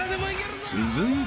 ［続いて］